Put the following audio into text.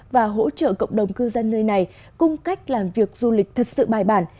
và hỗ trợ cộng đồng cư dân nơi này cung cách làm việc du lịch thật sự bài bản